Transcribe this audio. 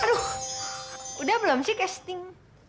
aduh udah belum sih casting